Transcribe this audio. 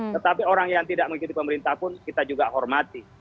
tetapi orang yang tidak mengikuti pemerintah pun kita juga hormati